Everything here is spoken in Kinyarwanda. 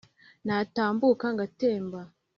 natambuka ngatemba